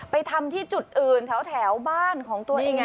ทำที่จุดอื่นแถวบ้านของตัวเอง